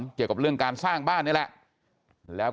เกี่ยวกับเรื่องการสร้างบ้านนี่แหละแล้ว